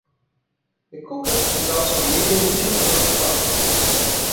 Echuca is also a major regional service economy.